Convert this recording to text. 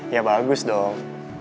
ya bagus dong